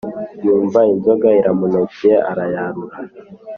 yumva inzoga iramunukiye arayarura